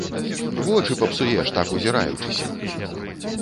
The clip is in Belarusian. Вочы папсуеш, так узіраючыся!